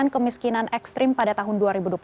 kemiskinan ekstrim pada tahun dua ribu dua puluh